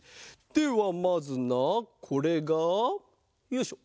ではまずなこれがよいしょ。